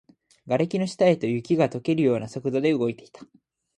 瓦礫の下へと、雪が溶けるような速度で動いていた